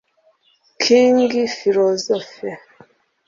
King Phyilosophe